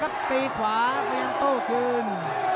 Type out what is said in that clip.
แต่คะตีขวาเองต้น